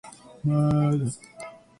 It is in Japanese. まーだ